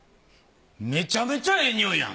めちゃめちゃええ匂いやん！